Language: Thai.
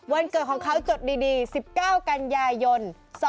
วันเกิดของเขาจดดี๑๙กันยายน๒๕๖